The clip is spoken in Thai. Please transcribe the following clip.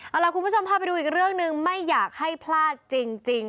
เอาล่ะคุณผู้ชมพาไปดูอีกเรื่องหนึ่งไม่อยากให้พลาดจริง